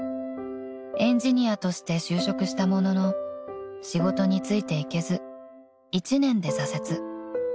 ［エンジニアとして就職したものの仕事についていけず１年で挫折］